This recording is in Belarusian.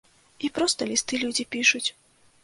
І проста лісты людзі пішуць.